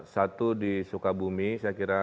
satu di sukabumi saya kira